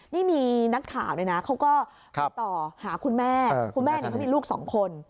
นี่มีนักข่าวเลยนะเขาก็ติดต่อหาคุณแม่คุณแม่เขามีลูกสองคน